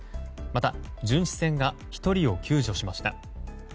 また、巡視船が１人を救助しました。